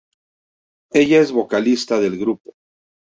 Ella es la vocalista del grupo.